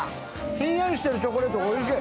ひんやりしてるチョコレート、おいしい。